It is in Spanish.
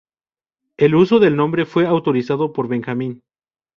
El uso del nombre fue autorizado por Benjamin.